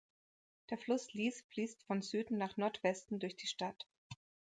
Der Fluss Lis fließt von Süden nach Nordwesten durch die Stadt.